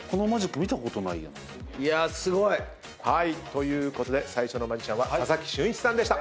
いやすごい！ということで最初のマジシャンは佐々木俊一さんでした。